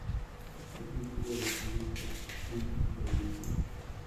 Es nativa de Sumatra en Indonesia.